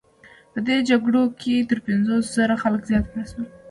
په دې جګړو کې تر پنځوس زره خلکو زیات مړه شول.